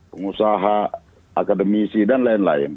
pengusaha akademisi dan lain lain